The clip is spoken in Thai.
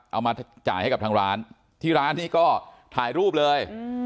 เอามาจ่ายให้กับทางร้านที่ร้านนี้ก็ถ่ายรูปเลย